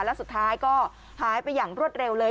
แล้วสุดท้ายก็หายไปอย่างรวดเร็วเลย